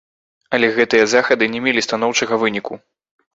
Але гэтыя захады не мелі станоўчага выніку.